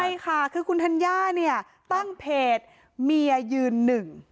ใช่ค่ะคือคุณธัญญาเนี่ยตั้งเพจเมียยืนหนึ่ง